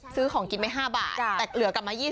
ซื้อของกินไป๕บาทแต่เหลือกลับมา๒๐